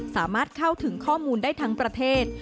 สามารถเข้าถึงข้อมูลได้ทั้งประเทศ